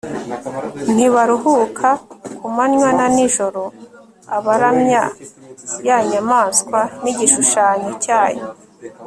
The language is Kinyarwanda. ntibaruhuka kumanywa na nijoro abaramya ya nyamaswa n'igishushanyo cyayo